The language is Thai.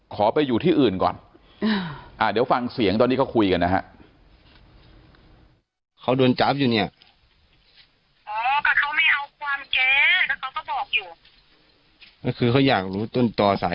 ขอไปอยู่ที่อื่นก่อนเดี๋ยวฟังเสียงตอนนี้เขาคุยกันนะฮะ